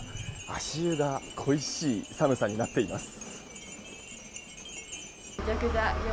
足湯が恋しい寒さになっています。